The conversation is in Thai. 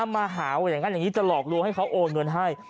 มาหาว่าอย่างนั้นอย่างนี้จะหลอกลวงให้เขาโอนเงินให้